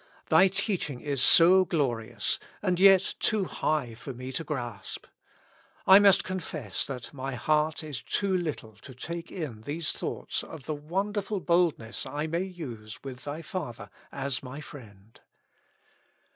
Thy teaching is so glorious, and yet too high for me to grasp. I must confess that my heart is too little to take in these thoughts of the wonderful boldness I may use with Thy Father as my Friend.